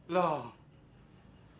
loh ya kan